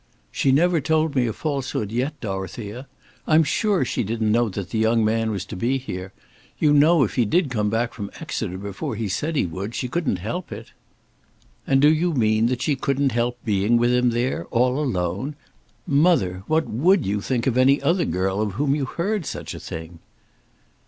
"She never told me a falsehood yet, Dorothea. I'm sure she didn't know that the young man was to be here. You know if he did come back from Exeter before he said he would she couldn't help it." "And do you mean that she couldn't help being with him there, all alone? Mother, what would you think of any other girl of whom you heard such a thing?"